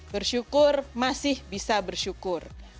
bersyukur masih bisa bersyukur